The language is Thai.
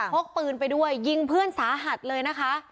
กปืนไปด้วยยิงเพื่อนสาหัสเลยนะคะ